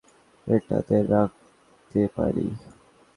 এটাতে রাখতে পারি?